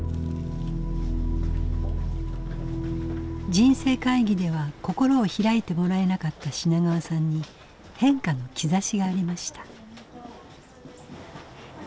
人生会議では心を開いてもらえなかった品川さんに変化の兆しがありました。